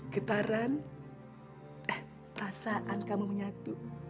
getaran eh perasaan kamu menyatu